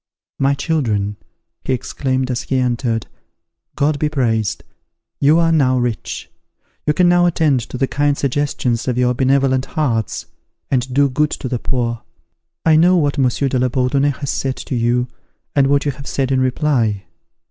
"My children," he exclaimed as he entered, "God be praised! you are now rich. You can now attend to the kind suggestions of your benevolent hearts, and do good to the poor. I know what Monsieur de la Bourdonnais has said to you, and what you have said in reply.